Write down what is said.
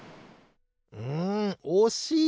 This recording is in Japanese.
うんおしい！